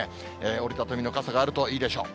折り畳みの傘があるといいでしょう。